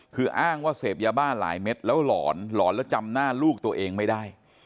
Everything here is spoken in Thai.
คืออ้างว่าเสพยาบ้าหลายเม็ดแล้วหลอนหลอนแล้วจำหน้าลูกตัวเองไม่ได้